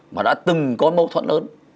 mà đã từng có mâu thuẫn lớn